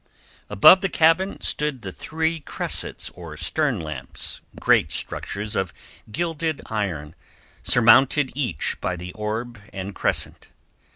Above the cabin stood the three cressets or stern lamps, great structures of gilded iron surmounted each by the orb and crescent.